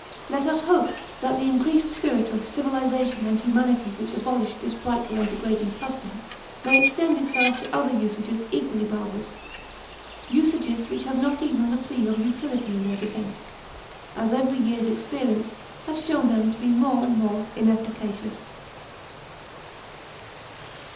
Let us hope that the increased spirit of civilisation and humanity which abolished this frightful and degrading custom, may extend itself to other usages equally barbarous ; usages which have not even the plea of utility in their defence, as every year's experience has shown them to be more and more inefficacious.